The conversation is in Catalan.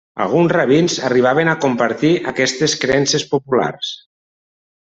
Alguns rabins arribaven a compartir aquestes creences populars.